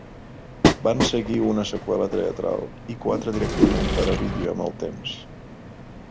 Van seguir una seqüela teatral i quatre directament per a vídeo amb el temps.